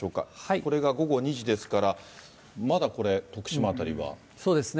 これが午後２時ですから、まだこれ、そうですね。